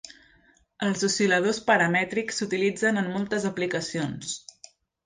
Els oscil·ladors paramètrics s'utilitzen en moltes aplicacions.